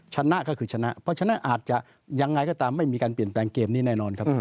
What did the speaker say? ชนะก็คือชนะเพราะฉะนั้นอาจจะยังไงก็ตามไม่มีการเปลี่ยนแปลงเกมนี้แน่นอนครับ